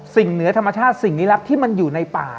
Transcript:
เหนือธรรมชาติสิ่งลี้ลับที่มันอยู่ในป่า